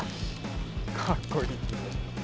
かっこいい。